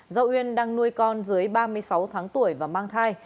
do uyên đang nuôi con dưới ba mươi sáu tháng tuổi và mang thai